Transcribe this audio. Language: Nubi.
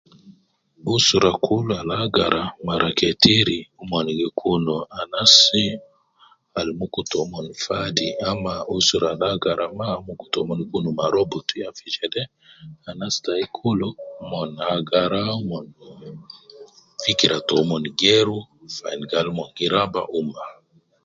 Usura kulu al agara mara ketiri umon gi kun anas al muku ta umon fadi. Amma anas al mma agara, muku to umon gi kun marobutu. Ya fi jede anas tayi kulu umonagara, fikira to umon geeru fi ayin gali umon gi raba umma.